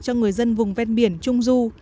cho người dân vùng ven biển trung du